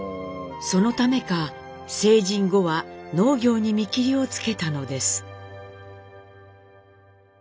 そのためか成人後は農業に見切りをつけたのです。